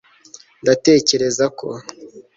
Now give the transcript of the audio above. ndatekereza ko